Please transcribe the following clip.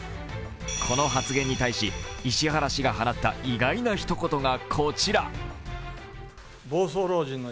この発言に対し、石原氏が放った意外なひと言がこちら。